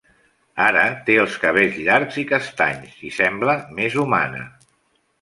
Ara té els cabells llargs i castanys, i sembla més humana.